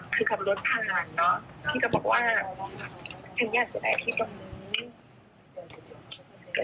คือขับรถผ่านเนอะพี่ก็บอกว่าฉันอยากดูแลที่ตรงนี้